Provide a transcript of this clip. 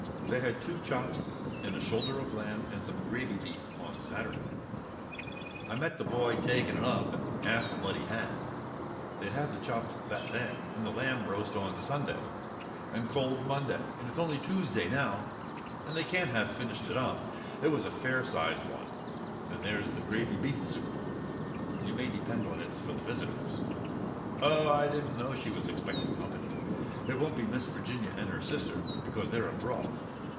They had two chops and a shoulder of lamb and some gravy beef on Saturday. I met the boy taking it up, and asked him what he had. They'd have the chops that day, and the lamb roast on Sunday, and cold Monday; and it's only Tuesday now, and they can't have finished it up—it was a fair sized one; and there's the gravy beef soup. You may depend it's for the visitors." "Oh! I didn't know she was expecting company? It won't be Miss Virginia and her sister, because they're abroad.